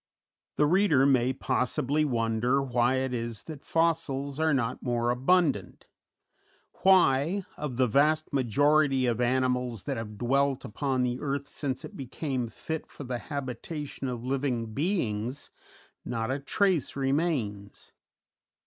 The reader may possibly wonder why it is that fossils are not more abundant; why, of the vast majority of animals that have dwelt upon the earth since it became fit for the habitation of living beings, not a trace remains.